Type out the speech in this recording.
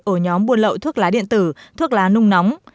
ổ nhóm buôn lậu thuốc lá điện tử thuốc lá nung nóng